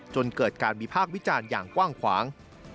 จนเกิดการวิพากษ์วิจารณ์อย่างกว้างขวาง